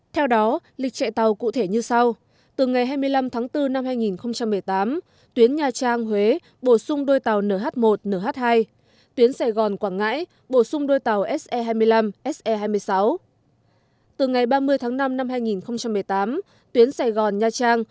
theo đó lịch chạy tàu cụ thể như sau